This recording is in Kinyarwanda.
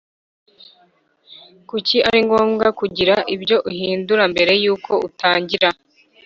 Kuki ari ngombwa kugira ibyo uhindura mbere y uko utangira